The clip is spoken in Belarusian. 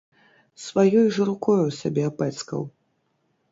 Сваёй жа рукою сябе апэцкаў.